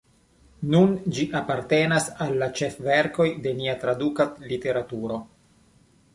Nun ĝi apartenas al la ĉefverkoj de nia traduka literaturo.